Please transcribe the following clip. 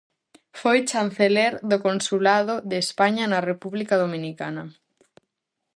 Foi chanceler do consulado de España na República Dominicana.